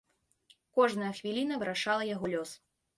Кожная хвіліна вырашала яго лёс.